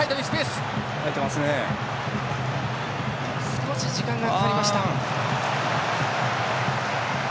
少し時間がかかりました。